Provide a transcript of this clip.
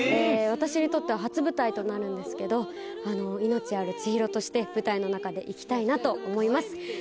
私にとっては初舞台となるんですけど命ある千尋として舞台の中で生きたいなと思います。